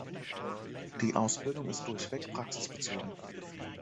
Die Ausbildung ist durchweg praxisbezogen.